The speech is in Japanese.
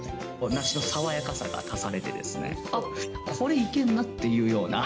梨のさわやかさが足されてですね、あっ、これいけるなっていうような。